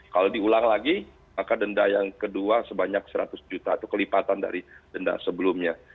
kalau diulang lagi maka denda yang kedua sebanyak seratus juta itu kelipatan dari denda sebelumnya